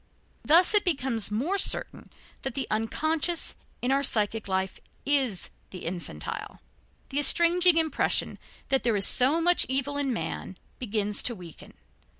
Thus it becomes more certain that the unconscious in our psychic life is the infantile. The estranging impression that there is so much evil in man, begins to weaken.